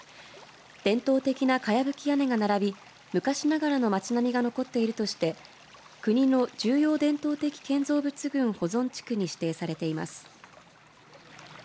伝統的なかやぶき屋根が並び昔ながらの町並みが残っているとして国の重要伝統的建造物群保存地区に指定されています。